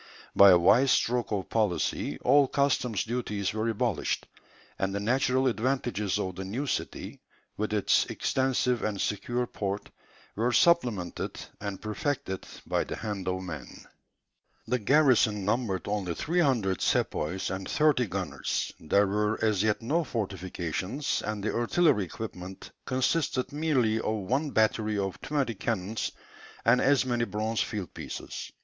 By a wise stroke of policy all customs duties were abolished; and the natural advantages of the new city, with its extensive and secure port, were supplemented and perfected by the hand of man. The garrison numbered only 300 sepoys and thirty gunners; there were as yet no fortifications, and the artillery equipment consisted merely of one battery of twenty cannons, and as many bronze field pieces.